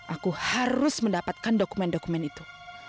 aku harus mendapatkan dokumen dokumen itu